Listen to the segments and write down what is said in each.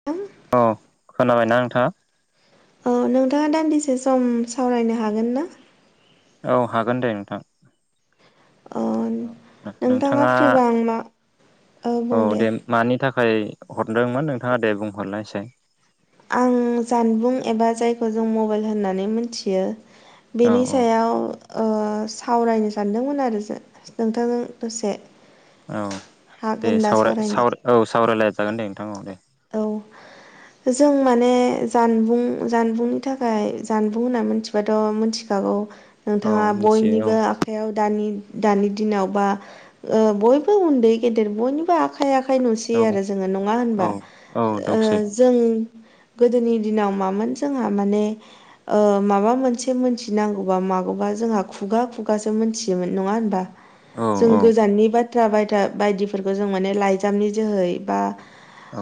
[unintelligible] अ खोनाबायना नोंथाङा? औ नोंथाङा दान्दिसे सम सावरायनो हागोन ना? औ हागोन दे नोंथां। अ नोंथाङा फ्रिबा आं मा औ दे मानि थाखाय हरदोंमोन नोंथाङा दे बुंहरलाय एसे। आं जानबुं एबा जायखौ जों मबाइल होननानै मिथियो औ बेनि औ सायाव ओ सावरायनो सानदोंमोन आरो जा नोंथांजों दसे। औ दे हागोन दा सावरा सावरायनो सावरा औ सावरायलायजागोन दे नोंथां औ दे। औ। जों माने जानबुं जानबुंनि थाखाय जानबुं होनना मिथि थ' मिथिखागौ औ नोंथाङा मिथियो बयनिबो आखायाव दानि दानि दिनाव बा बयबो उन्दै गेदेर बयनिबो आखा खाइ आखाइ नुसै औ आरो जोङो नङा औ औ होनबा? औ ओ दंसै। जों गोदोनि दिनाव मामोन जोंहा माने ओ माबा मोनसे मोनथिनांगौबा मागौबा जोंहा खुगा खुगासो मोनथियोमोन नङा होनबा? औ जों औ गोजाननि बाथ्रा बायथा बायदिफोरखौ जों माने लाइजामनि जोहै बा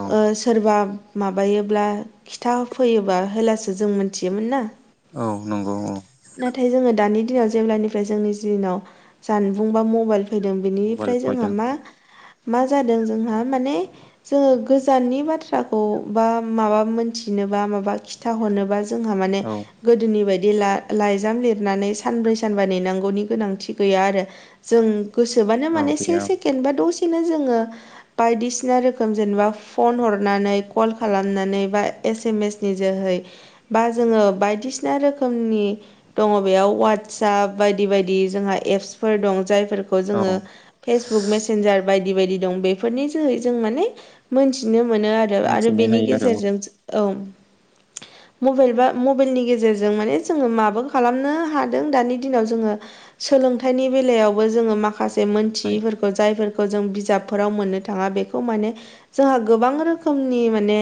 औ सोरबा माबायोब्ला खिथा होफैयोबा होलासो जों मोनथियोमोन ना औ नंगौ औ नाथाय जोङो दानि दिनाव जेब्लानिफ्राय जोंनि दिनाव जानबुं बा मबाइल फैदों मबाइल बेनिफ्राय जोंहा फैदों मा मा जादों जोंहा माने जोंङो गो गोजाननि बाथ्राखौ बा माबा मोनथिनोबा माबा खिथाहरनोबा जोंहा माने औ गोदोनि बायदि ला लाइजाम लिरनानै सानब्रै सानबा नेनांगौनि गोनांथि गैया आरो जों गोसोबानो औ माने से गैया सेकेण्ड बा दसेनो जोङो बायदिसिना रोखोम जेनेबा फन हरनानै कल खालामनानै बा एस एम एस नि जोहै बा जोङो बायदिसिना रोखोमनि दङ बेयाव वाटसाप बायदि बायदि जोंहा एपसफोर दं जायफोरखौ औ जोङो फेसबुक मेसेनजार बायदि बायदि दं बेफोरनि जोहै जों माने नुनो मोनो आरो आरो मिथिनो बेनि हायो आरो औ गेजेरजों औ मबाइल बा मबाइलनि गेजेरजों माने जोङो माबा खालामनो हादों दानि दिनाव जोङो सोलोंथाइनि बेलायावबो जोङो माखासे जे सोलोंथाइ मोनथियैफोरखौ जायफोरखौ जों बिजाबफोराव मोननो थाङा बेखौ माने जोंहा गोबां रोखोमनि माने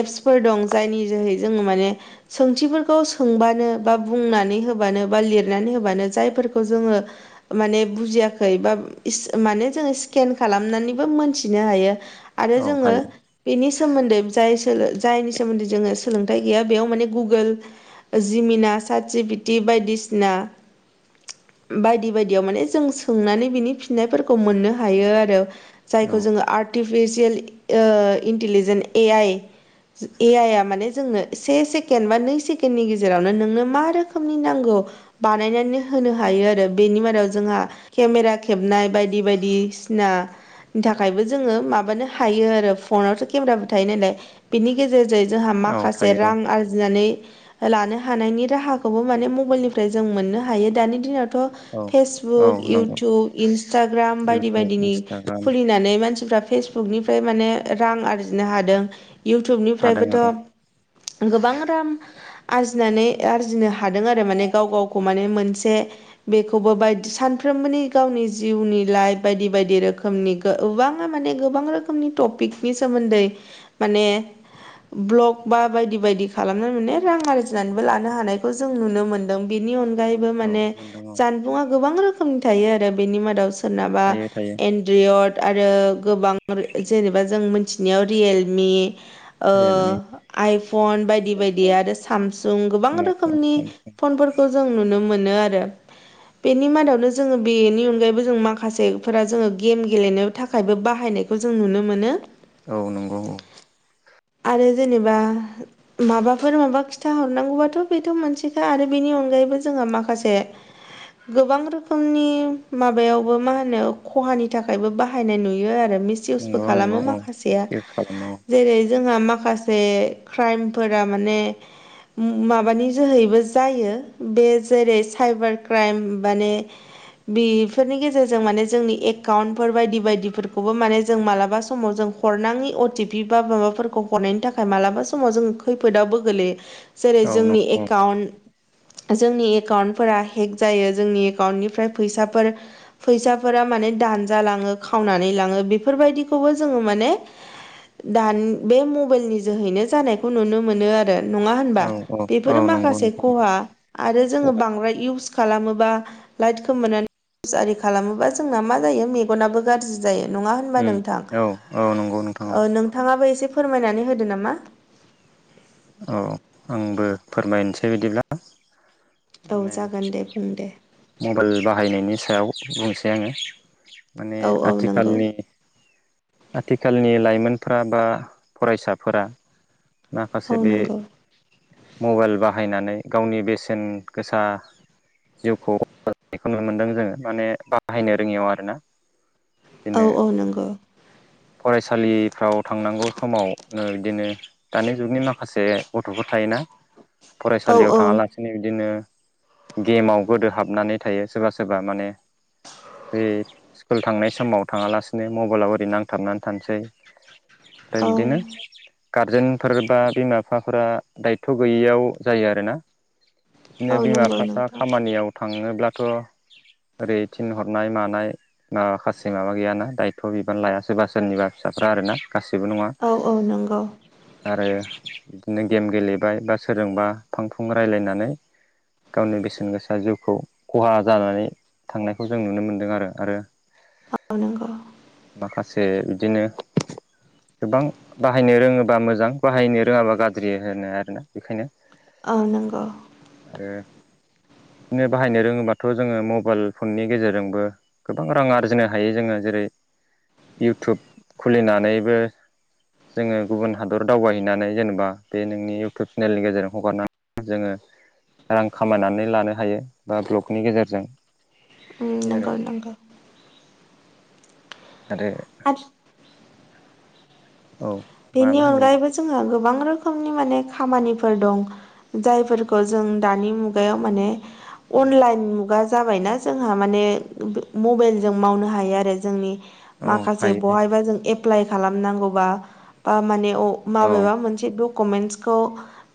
एपसफोर दं जायनि जोहै जोङो माने सोंथिफोरखौ सोंबानो बा बुंनानै होबानो बा लिरनानै होबानो जायफोरखौ जोङो माने बुजियाखै बा माने जोङो स्केन खालामनानैबो मोनथिनो हायो आरो औ जोङो हायो बेनि सोमोन्दै जाय सोलो जायनि सोमोन्दै जोङो सोलोंथाइ गैया बेयाव माने गुगोल जिमिना साटिपित बायदिसिना बायदि बायदियाव माने जों सोंनानै बिनि फिन्नायफोरखौ मोननो हायो आरो औ जायखौ जोङो आर्टिफिसियेल ओ इन्टिलिजेन ए आइ ए आइआ माने जोंनो से सेकेण्ड बा नै सेकेण्डनि गेजेरावनो नोंनो मा रोखोमनि नांगौ बानायनानै होनो हायो आरो बेनि मादाव जोंहा केमेरा खेबनाय बायदि बायदि सिना थाखायबो जोङो माबानो हायो आरो फनावथ' केमेराबो थायो नालाय बिनि गेजेरजों जोंहा औ माखासे थायो रां आरजिनानै लानो हानायनि राहाखौबो माने मबाइलनिफ्राय जों मोननो हायो दानि दिनावथ' औ औ फेसबुक नंगौ इउटुब इन्सटाग्राम बायदि इउटुब बायदिनि इन्सटाग्राम खुलिनानै मानसिफ्रा फेसबुक निफ्राय माने रां आरजिनो हादों हादों आरो इउटुबनिफ्रायबोथ' गोबां राम आरजिनानै आरजिनो हादों आरो माने गाव गावखौ माने मोनसे बेखौबो बायद सानफ्रोमबोनि गावनि जिउनि लाइफ बायदि बायदि रोखोमनि गोबाङा माने गोबां रोखोमनि टपिकनि सोमोन्दै माने ब्लक बा बायदि बायदि खालामनानै माने रां आरजिनानैबो लानो हानायखौ जों नुनो मोनदों बेनि अन गायैबै औ माने मोनदों औ जानबुंआ गोबां रोखोमनि थायो आरो बेनि मादाव सोरनाबा थायो थायो एनट रयद आरो गोबां जेनेबा जों मिथिनायाव रियेलमि ओ रियेलमि आइफन बायदि बायदि आइफन आरो सामसुं गोबां स्मार्टफन रोखोमनि सामसुं फनफोर खौ जों नुनो मोनो आरो बेनि मादावनो जोङो बेनि अनगायैबो जों माखासेफोरा जोङो गेम गेलेनो थाखायबो बा हायनाइखौ जों नुनो मोनो। औ नंगौ औ आरो जेनेबा माबाफोर माबा खिथाहरनांगौबाथ' बेथ' मोनसेखा आरो बेनि अनगायैबो जोंहा माखासे गोबां रोखोमनि माबायावबो मा होनो खहानि थाखायबो बाहायनाय नुयो आरो मिसइउसबो नंगौ नंगौ खालामो औ माखासेया मिसइउस खालामो जेरै जोंहा माखासे क्राइमफोरा माने उम माबानि जोहैबो जायो बे जेरै साइबार क्राइम माने बिफोरनि गेजेरजों माने जोंनि एकाउन्टफोर बायदि बायदिफोर खौबो माने जों मालाबा समाव जों हरनाङि अ टि पि बा माबाफोरखौ हरनायनि थाखाय मालाबा समाव जों खैफोदावबो गोग्लैयो। जेरै औ जोंनि नंगौ एकाउन्ट जोंनि एकाउन्टफोरा हेक जायो जोंनि एकाउन्टनिफ्राय फैसाफोर फैसाफोरा माने दानजालाङो खावनानै लाङो। बेफोरबायदिखौबो जोङो माने दानि बे मबाइलनि जोहैनो जानायखौ नुनो मोनो आरो। नङा होनबा औ औ बेफोर औ नंगौ माखासे नोंथां ख'हा आरो जोङो बांद्राय इउस खालामोबा लाइटखौ मोननानैस आरि खालामोबा जोंना मा जायो मेगनाबो गाज्रि जायो। नङा होनबा उम नोंथां? औ औ नंगौ नोंथां ओ नोंथाङाबो एसे फोरमायनानै होदो नामा। औ आंबो फोरमायनोसै बिदिब्ला। औ माने जागोन दे बुं दे [inaudible] मबाइल बाहायनायनि सायाव बुंसै आङो। माने औ औ नंगौ आथिखालनि आथिखालनि लाइमोनफोरा बा फरायसाफोरा माखासे औ बे नंगौ मबाइल बाहायनानै गावनि बेसेन गोसा जिउखौनायखौ ननो मोन्दों जोङो माने बाहायनो रोङियाव आरोना। औ बिदिनो औ नंगौ। फरायसालिफ्राव थांनांगौ समाव ओ बिदिनो दानि जुगनि माखासे गथ'फोर थायोना औ फरायसालियाव औ थाङा ला बिसिनि बिदिनो गेमाव गोदो हाबनानै थायो सोरबा सोरबा माने बे स्कुल थांनाय समाव थाङालासिनो मबाइलाव ओरै नां थाबनानै थानोसै। ओमफ्राय औ बिदिनो गारजेनफोर बा बिमा बिफाफोरा दायथ' गैयियाव जायो आरोना। बिदिनो औ बिमा नंगौ बिफाफ्रा नोंथां खामानियाव थाङोब्लाथ' ओरै थिनहरनाय मानाय माखासे माबा गैयाना दायथ' बिबानो लायासै सोरबा सोरनिबा फिसाफ्रा आरना गासैबो नङा। [inaudible] औ औ नंगौ आरो बिदिनो गेम गेलेबाय बा सोरजोंबा फां फुं रायज्लायनानै गावनि बेसेन गोसा जिउखौ खहा जानानै थांनायखौ जों नुनो मोनदों आरो आरो [unintelligible] [inaudible] माखासे बिदिनो गोबां बाहायनो रोङोबा मोजां बाहायनो रोङाबा गाज्रि होनो आरोना। बेखायनो औ नंगौ। आरो बिदिनो बाहायनो रोङोबाथ' जोङो मबाइल फननि गेजेरजोंबो गोबां रां आरजिनो हायो जोङो जेरै इउटुब खुलिनानैबो जोङो गुबुन हादर दावबायहैनानै जेनेबा बे नोंनि इउटुब चेनेलनि गेजेरजों हगारना जोङो रां खामायनानै लानो हायो बा ब्लकनि गेजेरजों उम बे आरो नंगौ नंगौ। आरो आथि औ। बेनि माबा होनो अनगायैबो जोंहा गोबां रोखोमनि माने खामानिफोर दं। जायफोरखौ जों दानि मुगायाव माने अनलाइन मुगा जाबायना जोंहा बे माने मबाइलजों मावनो हायो आरो जोंनि औ माखासे हायो बहायबा जों एप्लाइ खालामनांगौबा बा माने औ माबेबा मोनसे डकुमेन्टसखौ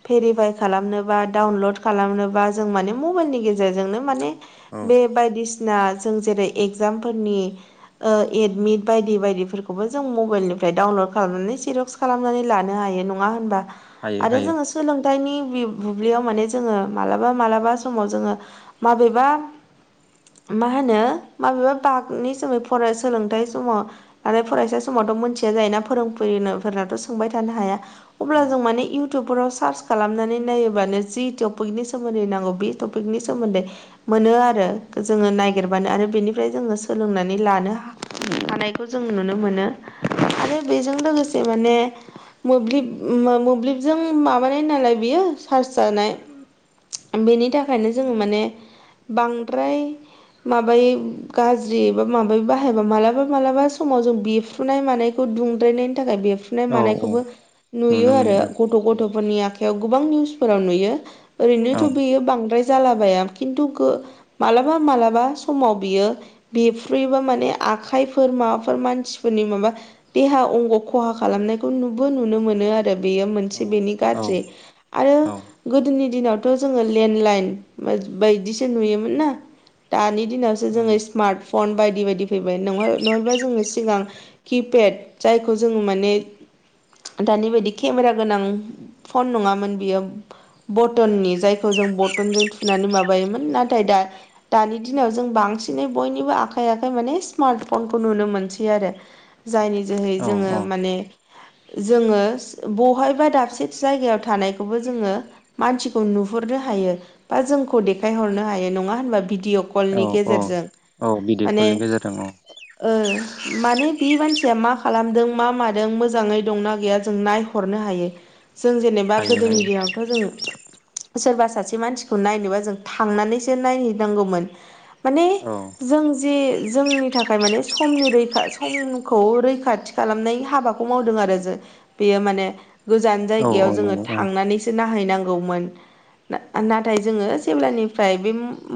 भेरिफाइ खालामनोबा डाउनलड खालामनोबा जों माने मबाइलनि गेजेरजोंनो माने औ बे बायदिसिना जों जेरै एगजामफोरनि ओ एडमिट बायदि बायदिफोरखौबो जों मबाइलनिफ्राय डाउनलड खालामनानै सेर ज खालामनानै लानो हायो नंया होमबाथ हायो आरो हायो जोंङो सोलोंथाइनि बुब्लियाव माने जोङो मालाबा-मालाबा समाव जोङो माबेबा मा होनो माबेबा बागनि सोमै फराय सोलोंथाइ समाव आरो फरायसा समावथ' मोनथिया जायोना फोरोंनो फोरनाथ' सोंबाय थानो हाया अब्ला जों माने इ इउटुबफोराव सार्च खालामनानै नायोब्लानो जि टपिकनि सोमोन्दै नांगौ बे टपिकनि सोमोन्दै मोनो आरो। जोङो मोनो नागिरबानो आरो बेनि फ्राय जोङो सोलोंनानै लानो हानायखौ जों नुनो मोनो। आरो बेजों लोगोसे माने मोब्लिब -मोब्लिबजों माबानाय नालाय बियो चार्ज जानाय बेनि थाखायनो जोङो माने बांद्राय माबायो गाज्रि बबा माबायो बाहायबा मालाबा मालाबा समाव जों बेफ्रू द फुनाय मानायखौ दुंद्रायनायनि थाखाय बेफ्रूनाय औ औ मानायखौबो नुयो नुनो मोनो आरो औ गथ गथ'फोरनि आखायाव गोबां निउसफोराव नुयो औ ओरैनोथ' बियो बांद्राय जालाबायाया खिन्थु मालाबा- मालाबा समाव बियो बेफ्रुयोबा माने आखाइफोर माबाफोर मानसिफोरनि माबा देहा अंग खहा खालामनायखौ नुबो नुनो मोनो आरो। बेयो मोनसे बेनि औ गाज्रि आरो औ गोदोनि दिनावथ' जोङो लेन्डलाइन बायदिसो नुयोमोन ना दानि दिनाव स जोङो स्मार्ट फन बायदि बायदि फैबाय नङाब्ला जोङो सिगां किपेड खौ जोङो माने दानि बायदि केमेरा गोनां फन नङामोन बियो बटननि जाय खौ जों बथनजों थुनानै माबायोमोन नाथाय दा दानि दिनाव जों बांसिनै बयनिबो आखाइ आखाइ माने स्मार्ट फनखौ नुनो मोनसै आरो जायनि जोहै औ जोङो माने- जोङो बहायबा दाबसे जायगायाव थानायखौबो जोङो- मानसिखौ नुहुरनो हायो बा जोंखौ देखायहरनो हायो। नङा होनबा भिडिअ' औ कलनि औ गेजेरजों। औ भिडिअ कलनि माने- गेजेरजों औ ओ माने बे मानसिया मा खालाम खालामदों मा मादों मोजाङै दंना गैया जों नायहरनो हायो। जों जेनेबा- बा हायो हायो गोदोनिरायावथ' जों- सोरबा सासे मानसिखौ नायनोबा जों थांनानैसो नायहैनांगौमोन। माने औ जों जे जोंनि थाखाय माने समनि रैखा समखौ रैखा खा खालामनाय हाबाखौ मावदों आरो बेयो माने गोजान औ औ जायगायाव जों नंगौ औ नायहैनांगौमोन। नाथाय जोङो जेब्लानिफ्राय बे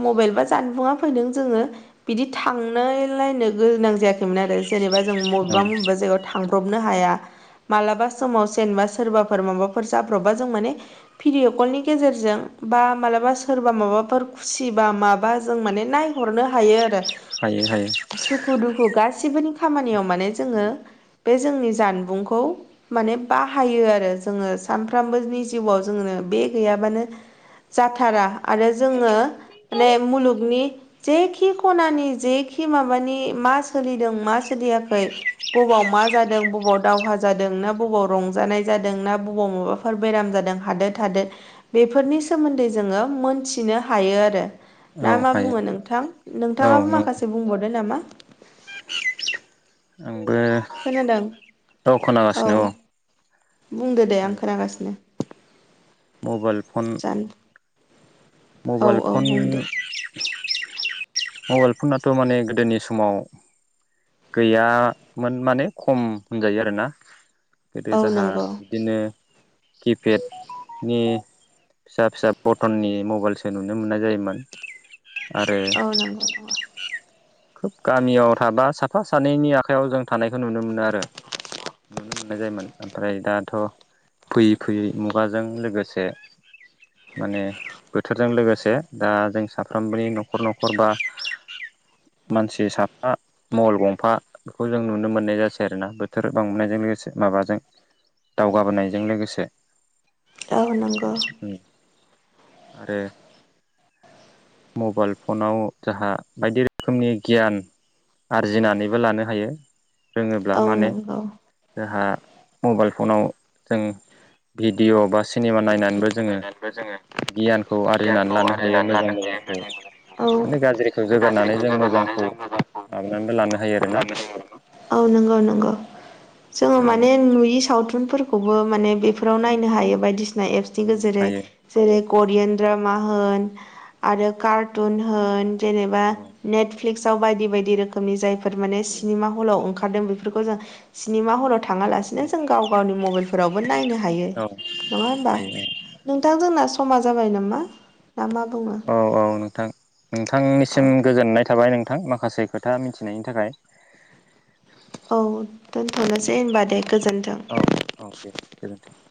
मबाइल बा जानबुंङा फैदों जोङो बिदि थांनोलायनो गोनां जायाखैमोन आरो जेनेबा जों औ बबेबा- मबेबा जायगायाव थांब्रबनो हाया। मालाबा समाव जेनबा सोरबाफोर माबाफोर जाब्रबबा जों माने भिडिय'कलनि गेजेरजों बा मालाबा सोरबा माबाफोर खुसि बा माबा जों माने नाय हरनो हायो। आरो हायो हायो सुखु -दुखु गासिबोनि खामानियाव माने जोङो बे जोंनि जानबुंखौ माने बाहायो आरो जोङो सानफ्रामबोनि जिउआव जोङो बे गैयाबानो जाथारा आरो जोङो माने मुलुगनि जेखि खनानि जेखि माबानि मा सोलिदों मा सोलियाखै बबाव मा जादों बबाव दावहा जादों ना बबाव रंजानाय जादों ना बबाव माबा फोर बेराम जादों हादोर हादोर बेफोरनि सोमोन्दै जोङो मोनथिनो हायो आरो। ना औ मा हायो बुङो नोंथां औ नोंथाङाबो नंगौ माखासे बुंबावदो नामा? आंबो खोनादों औ औ खोनागासिनो बुंदो दे आं माने खोनागासिनो। मबाइल फन जान औ मबाइल औ फन बुं दे मबाइल फनाथ' माने गोदोनि समाव गैयामोन माने खम होनजायो आरोना। गोदो औ जाहा नंगौ बिदिनो किपेडनि फिसा फिसा पटननि मबाइल हलसे नुनो मोननाय जायोमोन आरो औ नंगौ नंगौ खोब गामियाव थाबा साफा सानैनि आखाइायाव जों थानायखौ नुनो मोनो आरो। नुनो मोननाय जायोमोन ओमफ्राय दाथ' फैयै फैयै मुगाजों लोगोसे माने बोथोरजों लोगोसे दा जों साफ्रोमबोनि न'खर न'खर बा मानसि साफा मलबाइल गंफा बेखौ जों नुनो मोननाय जासै आरोना बोथोर बांनायजों लोगोसे माबाजों दावगाबोनायजों लोगोसे। औ नंगौ आरो मबाइल फनाव जाहा बायदि रोखोमनि गियान आरजिनानैबो लानो हायो रोङोब्ला औ माने नंगौ जाहा मबाइल फनाव जों भिडिअ' बा सि सिनेमा नायनानैबो जोङो बा जोङो गियानखौ आरजिनानै लानो हायो मोजां मोजांखौ औ माने गाज्रिखौ जोगारनानै जों मोजां औ नंगौ नंगौ। जोङो माने नुयि सावथुनफोरखौबो माने बेफोराव औ नायनो हायो बायदिसि सिना एप्सनि गेजेरै। हायो जेरै करियान द्रामा होन आरो कारटुन होन जेनेबा औ नेटफ्लिक्सआव बायदि बायदि रोखोमनि जायफोर माने सिनेमा हलाव ओंखारदों बेफोरखौ जों सिनेमा हलाव थाङालासिनो जों गाव गावनि मबाइलफोरावबो नायनो हायो। औ नङा होनबा हायो औ नोंथां जोंना समा जाबाय नामा ना मा बुंङो? औ औ नोंथां नोंथांनिसिम गोजोननाय थाबाय नोंथां माखासे खोथा मिथिनायनि थाखाय। औ दोनथ'नोसै होनबा दे गोजोन्थों। औ औ दे गोजोन्थों।